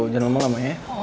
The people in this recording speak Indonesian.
jangan lama lama ya